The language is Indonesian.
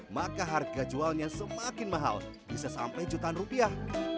maka harga jualnya semakin mahal bisa sampai jutaan rupiah